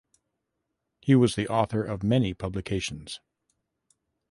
He was the author of many publications.